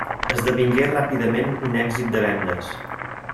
Esdevingué ràpidament un èxit de vendes.